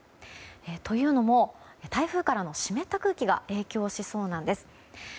というのも、台風からの湿った空気が影響しそうなんです。